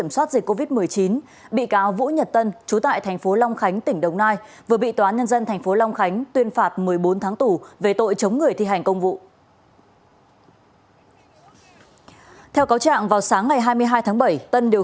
xin chào các bạn